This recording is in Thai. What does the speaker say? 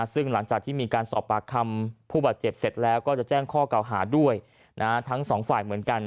ซึ่งหลังจากที่มีการสอบปากคำผู้บาดเจ็บเสร็จแล้วก็จะแจ้งข้อเก่าหาด้วยทั้งสองฝ่ายเหมือนกัน